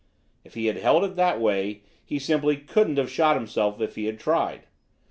If he had held it that way he simply couldn't have shot himself if he had tried.